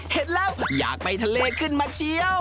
เห็นแล้วอยากไปทะเลขึ้นมาเชียว